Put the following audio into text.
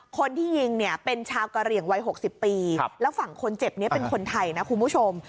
คนที่ยิงเนี่ยเป็นชาวกะเหลี่ยงวัย๖๐ปีแล้วฝั่งคนเจ็บนี้เป็นคนไทยนะคุณผู้ชม